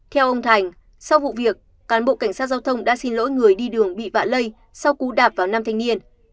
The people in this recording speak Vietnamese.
theo ông thành sau vụ việc cán bộ cảnh sát giao thông đã xin lỗi người đi đường bị vạ lây sau cú đạp vào nam thanh niên